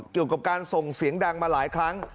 เกี่ยวกับการส่งเสียงดังมาหลายครั้ง